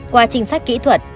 qua trinh sát kỹ thuật